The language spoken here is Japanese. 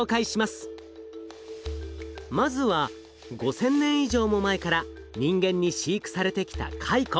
まずは５，０００年以上も前から人間に飼育されてきたカイコ。